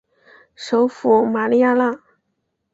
首府玛利亚娜。